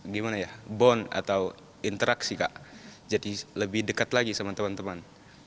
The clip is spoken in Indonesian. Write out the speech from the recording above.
gimana ya bond atau interaksi kak jadi lebih dekat lagi sama teman teman